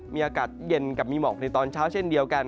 มีอากาศเย็นกับมีหมอกในตอนเช้าเช่นเดียวกัน